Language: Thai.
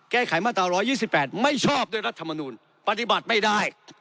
แก้ไขมาตรา๑๒๘ไม่ชอบด้วยรัฐมนูลปฏิบัติไม่ได้